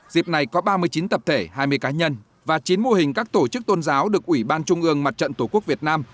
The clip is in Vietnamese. dịp này có ba mươi chín tập thể hai mươi cá nhân và chín mô hình các tổ chức tôn giáo được ủy ban trung ương mặt trận tổ quốc việt nam